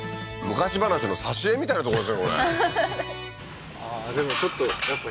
昔話の挿絵みたいなとこですね